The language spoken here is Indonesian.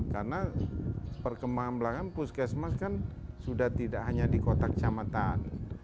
karena perkembangan belakang puskesmas kan sudah tidak hanya di kotak kecamatan